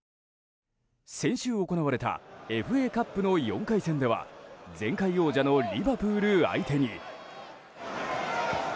先週行われたＦＡカップの４回戦では前回王者のリバプール相手に。